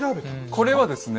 これはですね